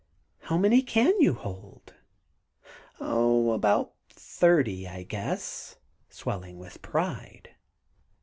How many can you hold?" "Oh, about thirty, I guess," swelling with pride.